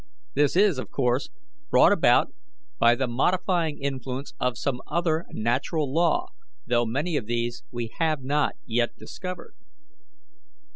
This is, of course, brought about by the modifying influence of some other natural law, though many of these we have not yet discovered.